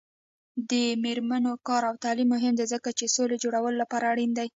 د میرمنو کار او تعلیم مهم دی ځکه چې سولې جوړولو لپاره اړین دی.